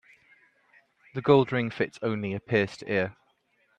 The gold ring fits only a pierced ear.